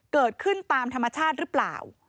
เกิดขึ้นตามธรรมชาติหรือเปล่า